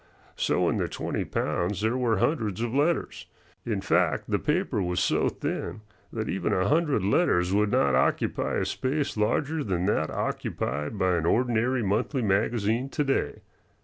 So in the twenty pounds there were hundreds of letters. In fact, the paper was so thin that even a hundred letters would not occupy a space larger than that occupied by an ordinary monthly magazine to day.